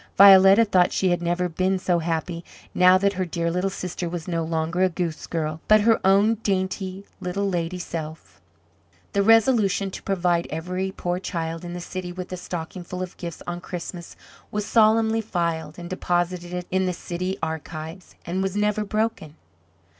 Violetta thought she had never been so happy, now that her dear little sister was no longer a goose girl, but her own dainty little lady self. The resolution to provide every poor child in the city with a stocking full of gifts on Christmas was solemnly filed, and deposited in the city archives, and was never broken.